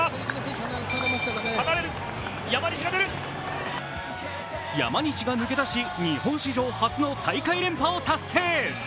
山西が抜け出し日本史上初の大会連覇を達成。